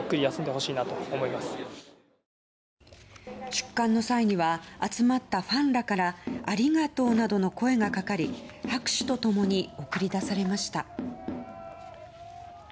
出棺の際には集まったファンらからありがとうなどの声がかかり拍手と共に送り出されました。